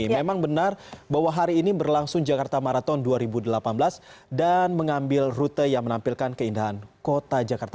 memang benar bahwa hari ini berlangsung jakarta marathon dua ribu delapan belas dan mengambil rute yang menampilkan keindahan kota jakarta